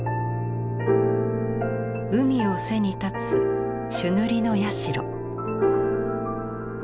海を背に立つ朱塗りの社。